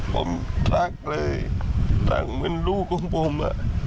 ผมรักเลยจังเป็นลูกของผม